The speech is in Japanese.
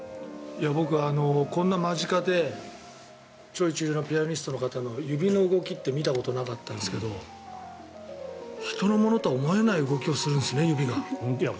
僕、こんな間近で超一流のピアニストの方の指の動きって見たことなかったんですけど人のものとは思えない動きをするんですね、指が。